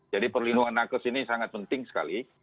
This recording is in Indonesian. jadi perlindungan nakas ini sangat penting sekali